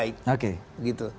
sesuatu yang lebih baik